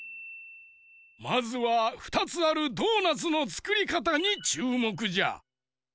まずは２つあるドーナツのつくりかたにちゅうもくじゃ。